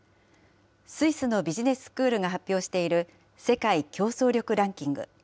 スイスのビジネススクールが発表している世界競争力ランキング。